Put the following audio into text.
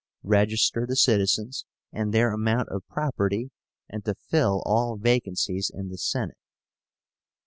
register the citizens and their amount of property, and to fill all vacancies in the Senate.